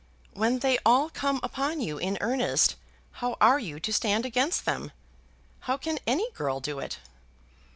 When they all come upon you in earnest how are you to stand against them? How can any girl do it?"